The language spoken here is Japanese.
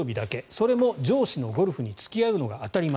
それも上司のゴルフに付き合うのが当たり前。